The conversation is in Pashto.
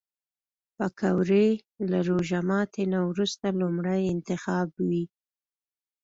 پکورې له روژه ماتي نه وروسته لومړی انتخاب وي